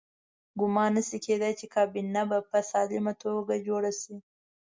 ګمان نه شي کېدای چې کابینه به په سالمه توګه جوړه شي.